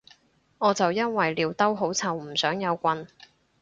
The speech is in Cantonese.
我就因為尿兜好臭唔想有棍